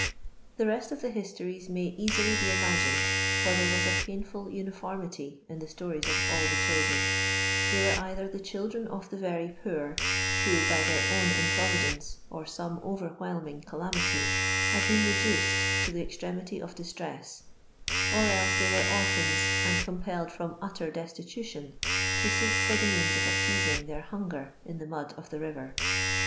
The rest of the histories may easily be imagined, for there was a painful uniformity in the stories of all the children : they were either the chil dren of the very poor, who, by their own im providence or some overwhelming calamity, had been reduced to the extremity of distress, or else they were orphans, and compelled from utter destitution to seek for the means of appeasing their hunger in the mud of the river.